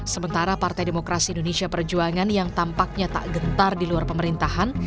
sementara partai demokrasi indonesia perjuangan yang tampaknya tak gentar di luar pemerintahan